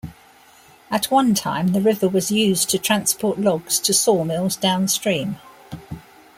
At one time, the river was used to transport logs to sawmills downstream.